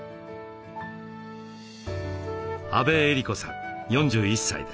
阿部恵里子さん４１歳です。